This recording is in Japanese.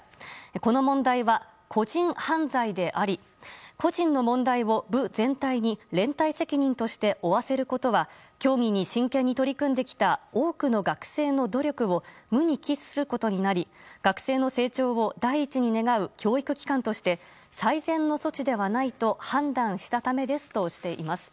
この問題は個人犯罪であり個人の問題を部全体に連帯責任として負わせることは競技に真剣に取り組んできた多くの学生の努力を無に帰することになり学生の成長を第一に願う教育機関として最善の措置ではないと判断したためですとしています。